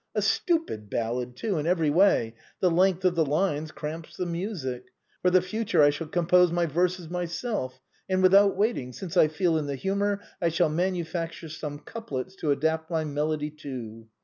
A stupid ballad too, in every way; the length of the lines cramps the music. For the future I shall compose my verses myself; and without waiting, since I feel in the humor, I shall manufacture some coup lets to adapt my melody to."